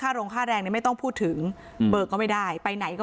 โรงค่าแรงเนี่ยไม่ต้องพูดถึงอืมเบิกก็ไม่ได้ไปไหนก็